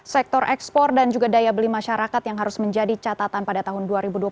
sektor ekspor dan juga daya beli masyarakat yang harus menjadi catatan pada tahun dua ribu dua puluh satu